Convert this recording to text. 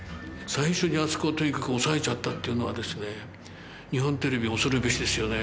最初にあそこをとにかく押さえちゃったっていうのはですね日本テレビ恐るべしですよね。